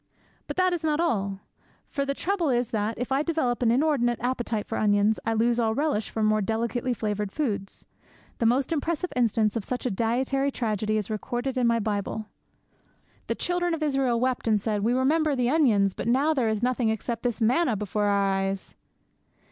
But that is not all. For the trouble is that, if I develop an inordinate appetite for onions, I lose all relish for more delicately flavoured foods. The most impressive instance of such a dietary tragedy is recorded in my Bible. 'The children of Israel wept and said, "We remember the onions, but now there is nothing except this manna before our eyes!"'